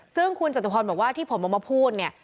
ซึ่งคุณจตุพรบอกว่าที่ผมออกมาพูดเนี่ย